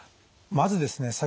まずですね